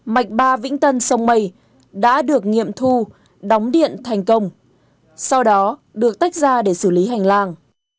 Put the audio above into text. mạch ba vĩnh tân sông mây đã được nghiệm thu đóng điện thành công sau đó được tách ra để xử lý hành lang